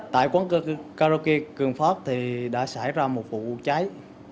tại quán karaoke cương phát thì đã xảy ra một vụ cháy